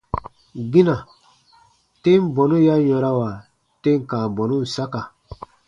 Gina, tem bɔnu ya yɔ̃rawa tem kãa bɔnun saka.